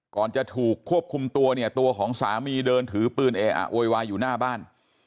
จะถูกควบคุมตัวเนี่ยตัวของสามีเดินถือปืนเออะโวยวายอยู่หน้าบ้าน